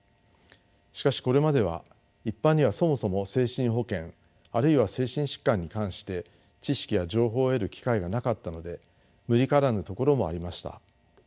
しかしこれまでは一般にはそもそも精神保健あるいは精神疾患に関して知識や情報を得る機会がなかったので無理からぬところもありました。